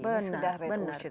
ini sudah red ocean